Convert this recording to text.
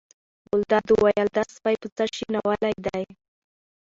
ګلداد وویل دا سپی په څه شي ناولی دی.